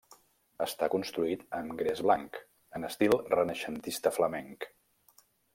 Està construït amb gres blanc, en estil renaixentista flamenc.